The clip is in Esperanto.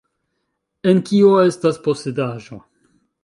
En "Kio estas Posedaĵo?